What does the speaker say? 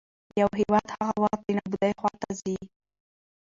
يـو هـيواد هـغه وخـت د نـابـودۍ خـواتـه ځـي